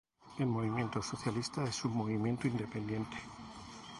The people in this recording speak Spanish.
El movimiento socialista es un movimiento independiente.